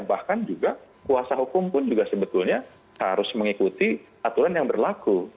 bahkan juga kuasa hukum pun juga sebetulnya harus mengikuti aturan yang berlaku